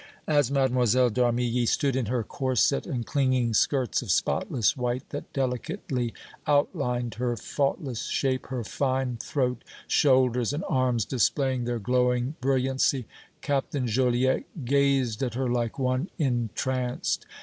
As Mlle. d' Armilly stood in her corset and clinging skirts of spotless white that delicately outlined her faultless shape, her fine throat, shoulders and arms displaying their glowing brilliancy, Captain Joliette gazed at her like one entranced.